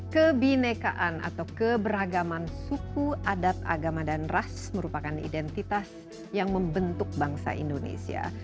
kebinekaan atau keberagaman suku adat agama dan ras merupakan identitas yang membentuk bangsa indonesia